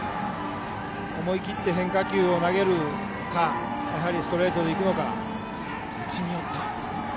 思い切って変化球を投げるかストレートでいくのか。